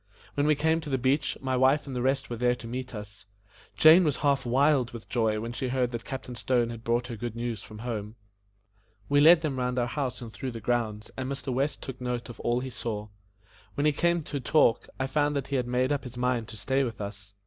When we came to the beach, my wife and the rest were there to meet us. Jane was half wild with joy when she heard that Captain Stone had brought her good news from home. We led them round our house and through the grounds and Mr. West took note of all he saw. When we came to talk, I found that he had made up his mind to stay with us.